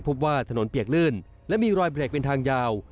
พบว่าถนนเปียกลื่นและมีรอยเบรกเป็นทางยาว